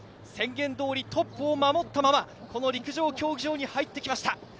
宣言どおりトップを守ったままこの陸上競技場に入ってきました。